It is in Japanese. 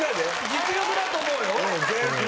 実力だと思うよ。